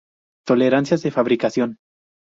Tolerancias de fabricación.